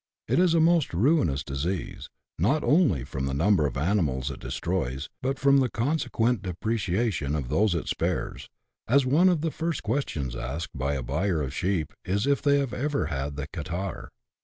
It is a most ruinous disease, not only from the number of animals it destroys, but from the consequent depre CHAP, v.] THE CATARRH. 5 1 ciation of those it spares, as one of the first questions asked by a buyer of sheep is if they have ever had the catarrh